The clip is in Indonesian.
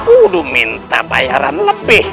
udah minta bayaran lebih